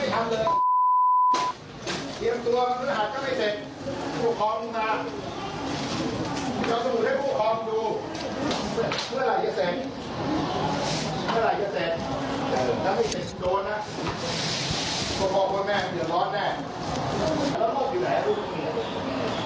เฮ้ยค๊าต้องขอคำอะไรแบบนี้นะ